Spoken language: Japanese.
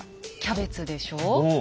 キャベツでしょう？